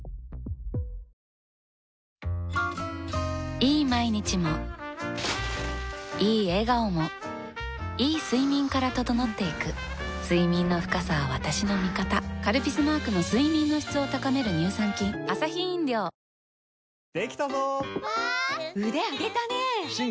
いい毎日もいい笑顔もいい睡眠から整っていく睡眠の深さは私の味方「カルピス」マークの睡眠の質を高める乳酸菌おケガはありませんか？